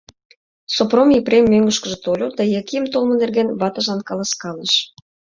Сопром Епрем мӧҥгышкыжӧ тольо да Яким толмо нерген ватыжлан каласкалыш.